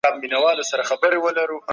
جرئت